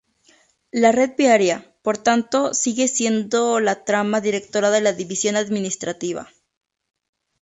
La red viaria, por tanto, sigue siendo la trama directora de la división administrativa.